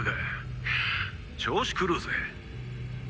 調子狂うぜ。